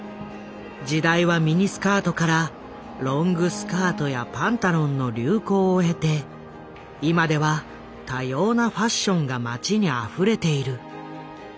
時代はミニスカートからロングスカートやパンタロンの流行を経て今では多様なファッションが街にあふれている。